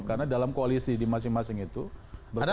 karena dalam koalisi di masing masing itu berkarya